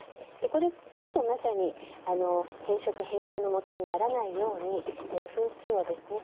これこそまさに変色変形のもとにならないように分数をですね